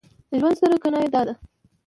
د ژوند ستره کنایه دا ده.